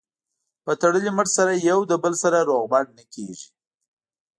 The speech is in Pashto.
په تړلي مټ سره یو له بل سره روغبړ نه کېږي.